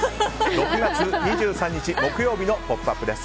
６月２３日木曜日の「ポップＵＰ！」です。